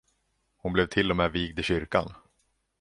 Hon blev till och med vigd i kyrkan.